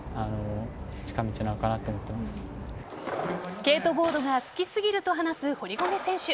スケートボードが好きすぎると話す堀米選手。